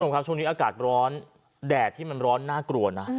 คุณผู้ชมครับช่วงนี้อากาศร้อนแดดที่มันร้อนน่ากลัวนะ